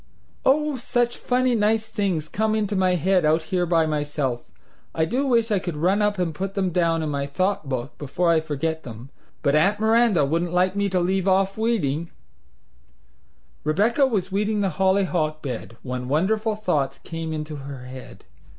Oh, such funny, nice things come into my head out here by myself, I do wish I could run up and put them down in my thought book before I forget them, but Aunt Miranda wouldn't like me to leave off weeding: Rebecca was weeding the hollyhock bed When wonderful thoughts came into her head.